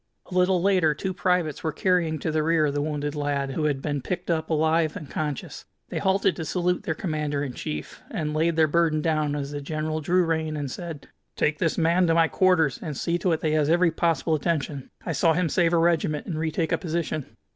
A little later two privates were carrying to the rear the wounded lad, who had been picked up alive and conscious. They halted to salute their Commander in chief, and laid their burden down as the general drew rein and said: "Take this man to my quarters, and see to it that he has every possible attention. I saw him save a regiment and retake a position."